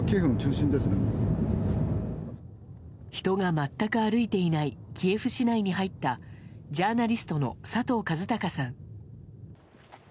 人が全く歩いていないキエフ市内に入ったジャーナリストの佐藤和孝さん。